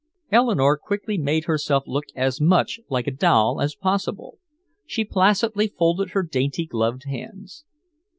Eleanore quickly made herself look as much like a doll as possible. She placidly folded her dainty gloved hands.